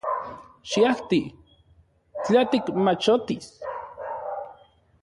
Xiajti — tla tikmachotis.